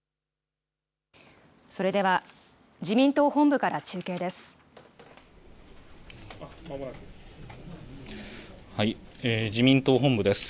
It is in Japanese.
それでは、自民党本部から中継です。